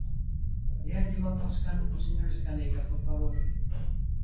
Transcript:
Déanlle voz ao escano do señor Escaleira, por favor.